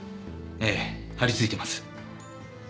ええ張り付いてます。